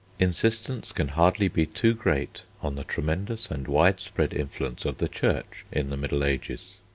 _] Insistence can hardly be too great on the tremendous and wide spread influence of the Church in the Middle Ages.